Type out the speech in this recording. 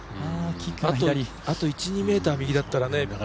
あと１２ｍ右だったらね。